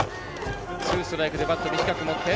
ツーストライクでバットを短く持って。